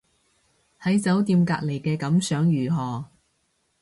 喺酒店隔離嘅感想如何